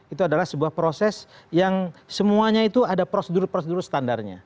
itu adalah sebuah proses yang semuanya itu ada prosedur prosedur standarnya